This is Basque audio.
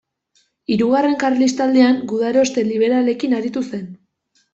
Hirugarren Karlistaldian gudaroste liberalekin aritu zen.